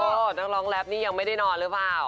นักร้องแรปนี่ยังไม่ได้นอนหรือเปล่า